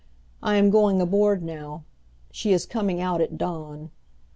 I am going aboard now. She is coming out at dawn."